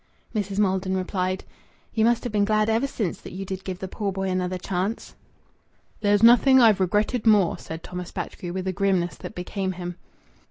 Mrs. Maldon replied "You must have been glad ever since that you did give the poor boy another chance." "There's nothing I've regretted more," said Thomas Batchgrew, with a grimness that became him.